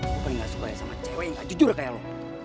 lo kan yang gak suka sama cewek yang gak jujur kayak lo